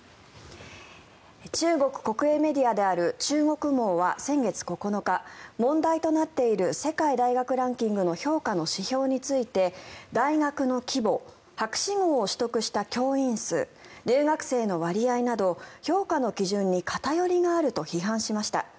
中国国営メディアである中国網は先月９日、問題となっている世界大学ランキングの評価の指標について大学の規模博士号を取得した教員数留学生の割合など評価の基準に偏りがあると批判しました。